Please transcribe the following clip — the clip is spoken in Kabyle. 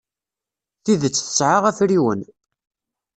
Tidet tesɛa afriwen.